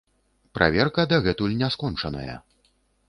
Праверка дагэтуль не скончаная.